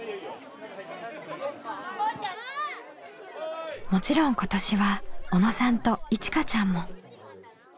もちろん今年は小野さんといちかちゃんも。